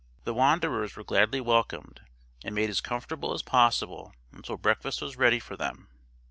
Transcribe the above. The wanderers were gladly welcomed, and made as comfortable as possible until breakfast was ready for them.